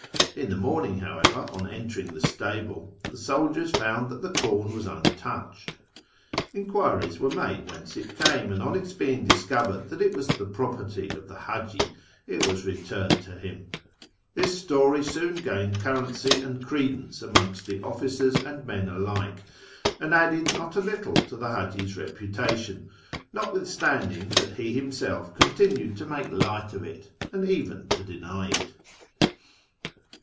In the morning, how ever, on entering the stable, the soldiers found that the corn was untouched. Enquiries were made whence it came, and on its being discovered that it was the property of the Haji, it was returned to him. This story soon gained currency and credence amongst officers and men alike, and added not a little to the Haji's reputation, notwithstanding that he himself con tinued to make light of it, and even to deny it.